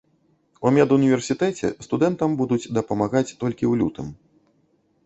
У медуніверсітэце студэнтам будуць дапамагаць толькі ў лютым.